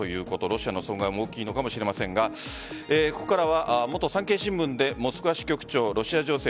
ロシアの損害も大きいのかもしれませんがここからは元産経新聞でモスクワ支局長ロシア情勢